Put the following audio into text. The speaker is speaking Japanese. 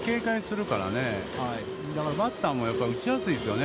だからバッターもやっぱり打ちやすいですよね。